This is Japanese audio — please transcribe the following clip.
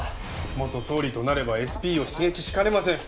元総理となればＳＰを刺激しかねません。